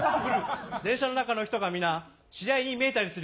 電車の中の人が皆知り合いに見えたりする。